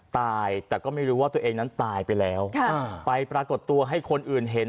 ตายแต่ก็ไม่รู้ว่าตัวเองนั้นตายไปแล้วไปปรากฏตัวให้คนอื่นเห็น